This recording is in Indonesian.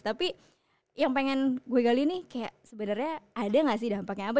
tapi yang pengen gue kali ini kayak sebenarnya ada gak sih dampaknya apa